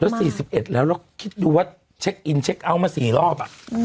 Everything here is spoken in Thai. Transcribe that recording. แล้ว๔๑แล้วเราคิดดูว่าเช็คอินเช็คเอาท์มา๔รอบ